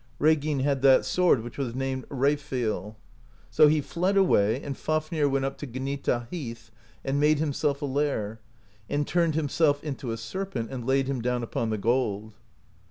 Reginn had that sword which was named Refill. So he fled away, and Fafnir went up to Gnita Heath, and made himself a lair, and turned himself into a serpent, and laid him down upon the gold.